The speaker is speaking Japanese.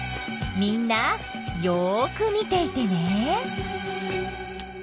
みんなよく見ていてね。